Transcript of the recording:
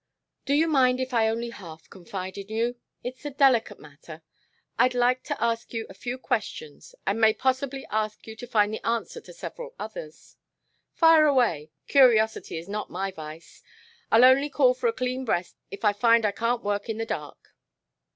"Do you mind if I only half confide in you? It's a delicate matter. I'd like to ask you a few questions and may possibly ask you to find the answer to several others." "Fire away. Curiosity is not my vice. I'll only call for a clean breast if I find I can't work in the dark."